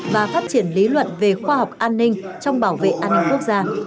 và phát triển lý luận về khoa học an ninh trong bảo vệ an ninh quốc gia